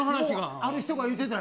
ある人が言うてた。